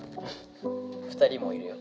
「２人もいるよ